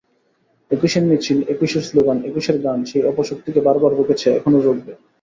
একুশের মিছিল, একুশের স্লোগান, একুশের গান সেই অপশক্তিকে বারবার রুখেছে, এখনো রুখবে।